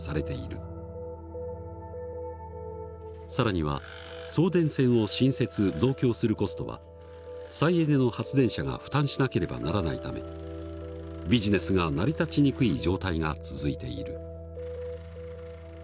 更には送電線を新設増強するコストは再エネの発電者が負担しなければならないためビジネスが成り立ちにくい状態が続いている。